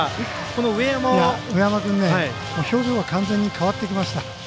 上山君、表情が完全に変わってきました。